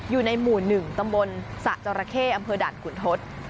อยู่ในหมู่หนึ่งตำบลสระจรเข้อำเภอดันขุนทศ